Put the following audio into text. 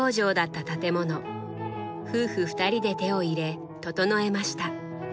夫婦２人で手を入れ整えました。